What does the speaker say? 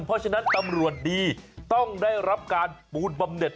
เพราะฉะนั้นตำรวจดีต้องได้รับการปูนบำเน็ต